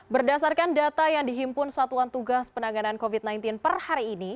berdasarkan data yang dihimpun satuan tugas penanganan covid sembilan belas per hari ini